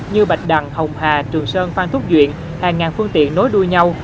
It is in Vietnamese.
như bạch đằng hồng hà trường sơn phan thúc duyện hàng ngàn phương tiện nối đuôi nhau